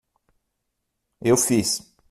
Eu fiz